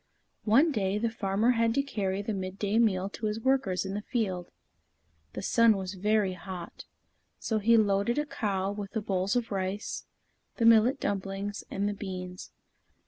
One day, the farmer had to carry the midday meal to his workers in the field. The sun was very hot, so he loaded a cow with the bowls of rice, the millet dumplings, and the beans.